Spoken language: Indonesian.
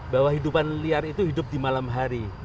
bahwa hidupan liar itu hidup di malam hari